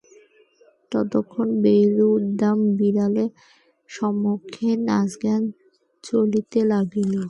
ততক্ষণ রোরুদ্যমান বিড়ালের সমক্ষে নাচগান চলিতে লাগিল।